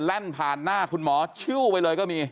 แล่นผ่านหน้าคุณหมอชิวไปเลยก็มี